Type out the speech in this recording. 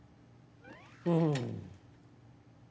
うん。